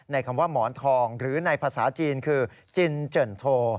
คำว่าหมอนทองหรือในภาษาจีนคือจินเจิ่นโท